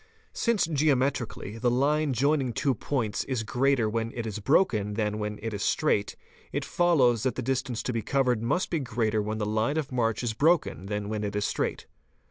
'Since geometrically the line joining two points is greater when it is broken than when it is straight, 1t follows that the distance to be covered must be greater when the line of march is broken than when it is straight.